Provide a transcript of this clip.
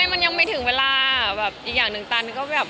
ไม่มันยังไม่ถึงเวลา